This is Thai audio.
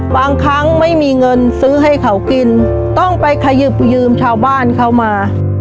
บางครั้งไม่มีเงินซื้อให้เขากินต้องไปขยึบยืมชาวบ้านเขามา